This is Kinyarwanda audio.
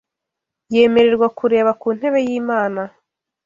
Yemererwa kureba ku ntebe y’Imana